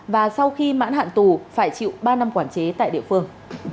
và sau khi mãn hạn tù phải chịu ba năm quản chế tại địa phương